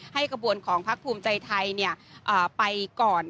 กระบวนของพักภูมิใจไทยไปก่อน